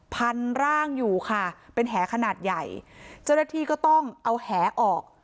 พันร่างอยู่ค่ะเป็นแหขนาดใหญ่เจ้าหน้าที่ก็ต้องเอาแหออก